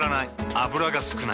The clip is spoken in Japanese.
油が少ない。